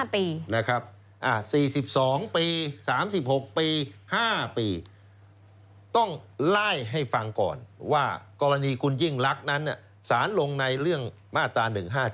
๔๒ปี๓๖ปี๕ปีต้องไล่ให้ฟังก่อนว่ากรณีคุณยิ่งลักษณ์นั้นสารลงในเรื่องมาตรา๑๕๗